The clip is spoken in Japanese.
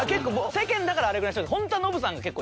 世間だからあれぐらいにしといた。